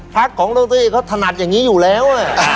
ภาครองโรงที่เขาถนัดอย่างนี้อยู่แล้ว